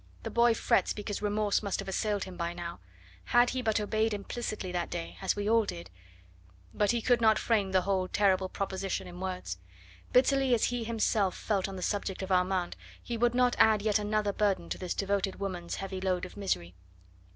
The boy frets because remorse must have assailed him by now. Had he but obeyed implicitly that day, as we all did " But he could not frame the whole terrible proposition in words. Bitterly as he himself felt on the subject of Armand, he would not add yet another burden to this devoted woman's heavy load of misery.